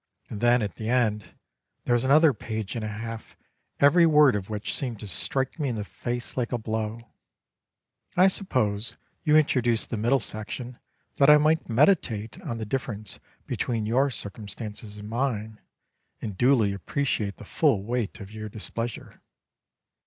And then, at the end, there was another page and a half, every word of which seemed to strike me in the face like a blow. I suppose you introduced the middle section that I might meditate on the difference between your circumstances and mine, and duly appreciate the full weight of your displeasure.